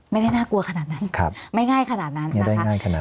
ไม่ได้น่ากลัวขนาดนั้นไม่ง่ายขนาดนั้นนะครับ